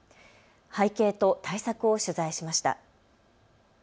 背景と対策を取材しました。